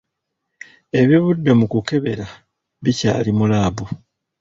Ebivudde mu kukebera bikyali mu laabu.